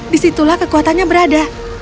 disitulah kekuatannya berada